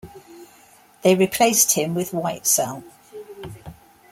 They replaced him with Whitesell.